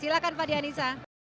silahkan fadi anissa